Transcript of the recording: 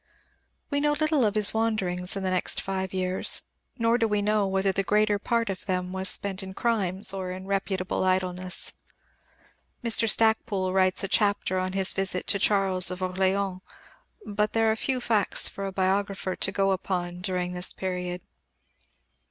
We know little of his wanderings in the next five years, nor do we know whether the greater part of them was spent in crimes or in reputable idleness. Mr. Stacpoole writes a chapter on his visit to Charles of Orléans, but there are few facts for a biographer to go upon during this period.